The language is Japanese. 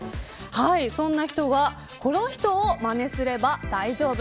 そんな人はこの人を真似すれば大丈夫。